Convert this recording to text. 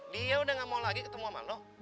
dia udah gak mau lagi ketemu sama allah